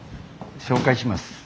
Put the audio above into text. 紹介します。